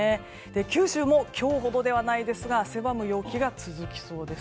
九州も今日ほどではないですが汗ばむ陽気が続きそうです。